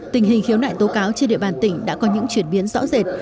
tình hình khiếu nại tố cáo trên địa bàn tỉnh đã có những chuyển biến rõ rệt